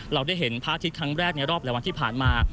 เราได้เห็นพระอาทิตย์ครั้งแรกในรอบหลายวันที่ผ่านมา